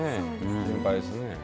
心配ですね。